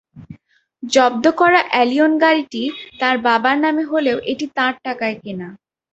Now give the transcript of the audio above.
জব্দ করা এলিয়ন গাড়িটি তাঁর বাবার নামে হলেও এটি তাঁর টাকায় কেনা।